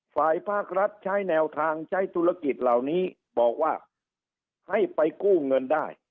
ภาครัฐใช้แนวทางใช้ธุรกิจเหล่านี้บอกว่าให้ไปกู้เงินได้